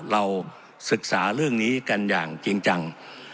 เราศึกษาเรื่องนี้กันอย่างจริงจัง